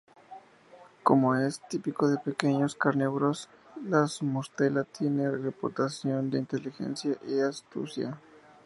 Como es típico de pequeños carnívoros, las Mustela tiene reputación de inteligencia y astucia.